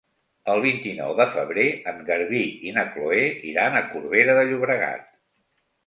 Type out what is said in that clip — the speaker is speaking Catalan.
El vint-i-nou de febrer en Garbí i na Chloé iran a Corbera de Llobregat.